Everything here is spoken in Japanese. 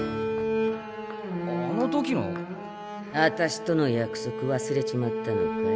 あの時の。あたしとの約束忘れちまったのかい？